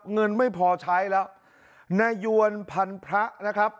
เงินไม่พอใช้แล้วนายวนพันพระนะครับ